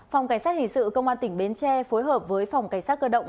phòng cảnh sát hình sự công an tỉnh bến tre phối hợp với phòng cảnh sát cơ động